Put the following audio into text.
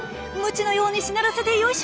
鞭のようにしならせてよいしょ。